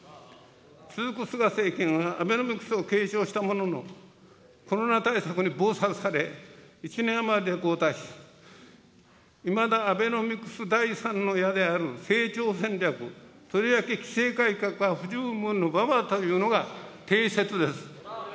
続く菅政権は、アベノミクスを継承したものの、コロナ対策に忙殺され、１年余りで交代し、いまだアベノミクス第３の矢である成長戦略、とりわけ規制改革は不十分のままというのが定説です。